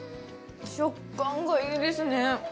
食感がいいですね。